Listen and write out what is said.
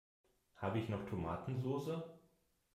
Habe ich noch Tomatensoße?